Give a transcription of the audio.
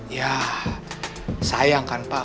yah sayang kan pak